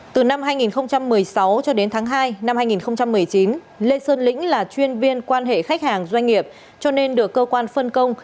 từ năm hai nghìn một mươi sáu cho đến tháng hai năm hai nghìn một mươi chín lê sơn lĩnh là chuyên viên quan hệ khách hàng doanh nghiệp cho nên được cơ quan phân công